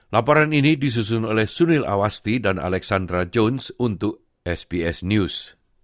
laporan ini disusun oleh suril awasti dan alexandra jones untuk sps news